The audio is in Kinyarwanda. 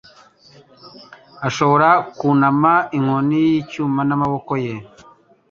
Ashobora kunama inkoni y'icyuma n'amaboko ye.